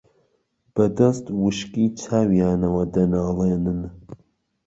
بەدەست وشکی چاویانەوە دەناڵێنن